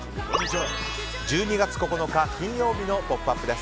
１２月９日、金曜日の「ポップＵＰ！」です。